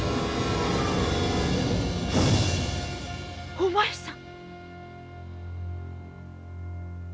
お前さん。